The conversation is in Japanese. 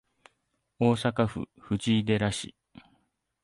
大阪府藤井寺市